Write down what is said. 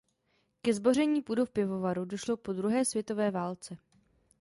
Ke zboření budov pivovaru došlo po druhé světové válce.